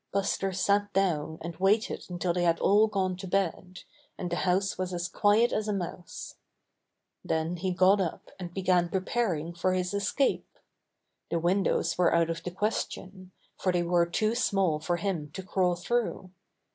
Buster sat down and waited until they had all gone to bed, and the house was as quiet as a mouse. Then he got up and began pre paring for his escape. The windows were out of the question, for they were too small for him to crawl through.